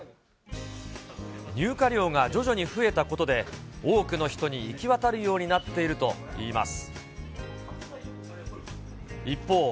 入荷量が徐々に増えたことで、多くの人に行きわたるようになっているといいます。